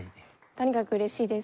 とにかく嬉しいです。